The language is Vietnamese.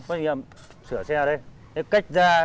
phát nhiệm sửa xe đây